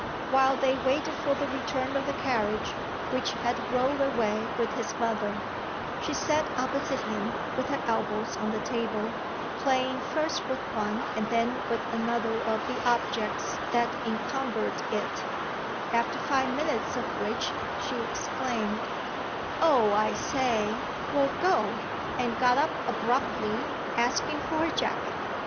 While they waited for the return of the carriage, which had rolled away with his mother, she sat opposite him with her elbows on the table, playing first with one and then with another of the objects that encumbered it; after five minutes of which she exclaimed, "Oh I say, well go!" and got up abruptly, asking for her jacket.